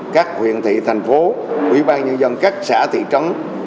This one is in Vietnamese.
các huyện thị thành phố quỹ ban nhân dân các xã thị trấn